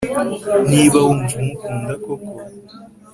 niba wumva umukunda koko